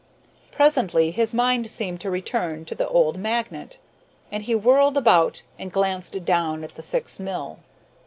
Presently his mind seemed to return to the old magnet, and he whirled about and glanced down at the Syx mill.